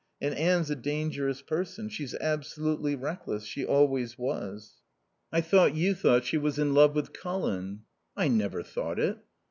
And Anne's a dangerous person. She's absolutely reckless. She always was." "I thought you thought she was in love with Colin." "I never thought it."